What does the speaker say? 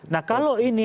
nah kalau ini